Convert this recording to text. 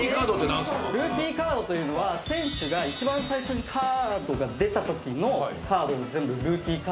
ルーキーカードというのは選手が一番最初にカードが出たときのカードを全部ルーキーカードって。